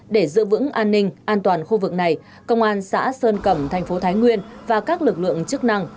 để giữ vững an ninh an toàn khu vực này công an xã sơn cẩm thành phố thái nguyên và các lực lượng chức năng